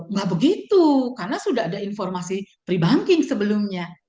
nggak begitu karena sudah ada informasi pre banking sebelumnya